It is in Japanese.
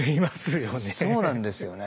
そうなんですよね。